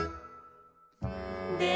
で